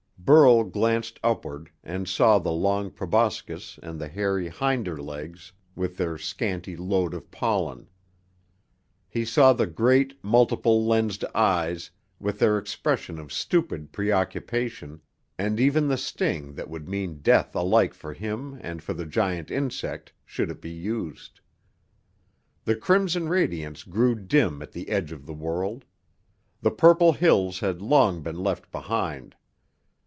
Burl glanced upward and saw the long proboscis and the hairy hinder legs with their scanty load of pollen. He saw the great, multiple lensed eyes with their expression of stupid preoccupation, and even the sting that would mean death alike for him and for the giant insect, should it be used. The crimson radiance grew dim at the edge of the world. The purple hills had long been left behind.